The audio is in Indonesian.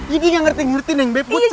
ini yang ngerti ngerti neng beb gue capek